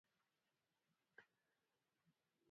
د افغانستان د اقتصادي پرمختګ لپاره پکار ده چې څرمنې پروسس شي.